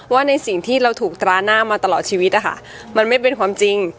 ว่าในสิ่งที่เราถูกตราหน้ามาตลอดชีวิตนะคะมันไม่เป็นความจริง